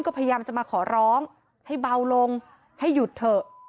ก็พยายามจะมาขอร้องให้เบาลงให้หยุดเถอะ